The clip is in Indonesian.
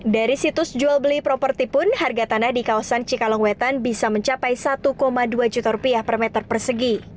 dari situs jual beli properti pun harga tanah di kawasan cikalongwetan bisa mencapai satu dua juta rupiah per meter persegi